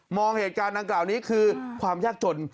เหตุการณ์ดังกล่าวนี้คือความยากจน